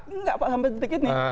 enggak pak sampai di titik ini